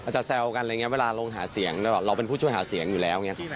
แซวกันอะไรอย่างนี้เวลาลงหาเสียงเราเป็นผู้ช่วยหาเสียงอยู่แล้วอย่างนี้ครับ